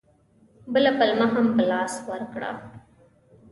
بله پلمه هم په لاس ورکړه.